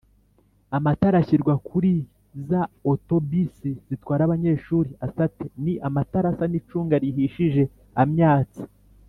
amatara ashyirwa kuriza auto bus zitwara abanyeshuri asa ate?ni amatara asa n’icunga rihishije amyatsa